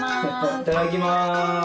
いただきます。